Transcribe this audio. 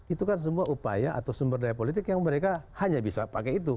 itu kan semua upaya atau sumber daya politik yang mereka hanya bisa pakai itu